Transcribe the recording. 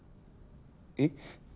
えっ？